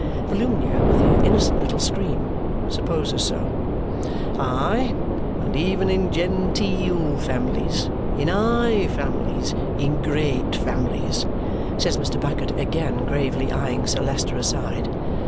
Volumnia, with her innocent little scream, supposes so. "Aye, and even in gen teel families, in high families, in great families," says Mr. Bucket, again gravely eyeing Sir Leicester aside.